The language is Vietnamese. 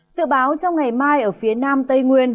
dự báo trong ngày mai ở phía nam tây nguyên